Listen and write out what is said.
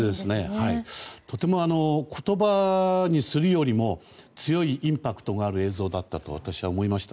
とても、言葉にするよりも強いインパクトがある映像だと私は思いました。